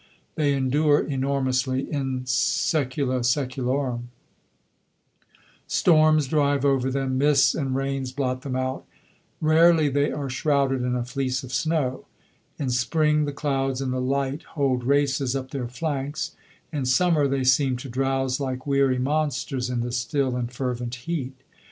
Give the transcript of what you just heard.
They endure enormously, in sæcula sæculorum. Storms drive over them, mists and rains blot them out; rarely they are shrouded in a fleece of snow. In spring the clouds and the light hold races up their flanks; in summer they seem to drowse like weary monsters in the still and fervent heat.